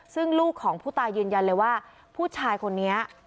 ซึ่งลูกของผู้ตายยืนยันเลยว่าผู้ชายคนนี้